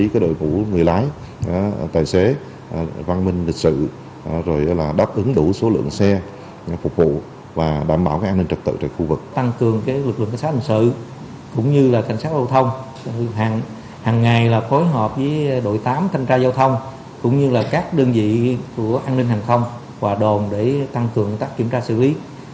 các đơn vị của an ninh hàng không và đồn để tăng cường tác kiểm tra xử lý